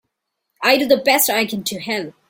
I do the best I can to help.